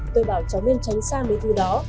tôi bảo cháu nên tránh xa mấy thư đó